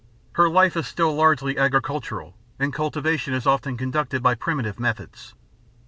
Her life is still largely agricultural, and cultivation is often conducted by primitive methods.